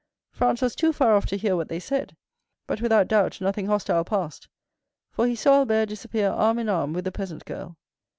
Franz was too far off to hear what they said; but, without doubt, nothing hostile passed, for he saw Albert disappear arm in arm with the peasant girl.